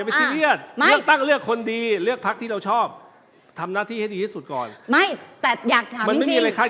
ให้ดีที่สุดก่อนไม่แต่อยากถามจริงจริงมันไม่มีอะไรคาดการณ์ได้หรอครับ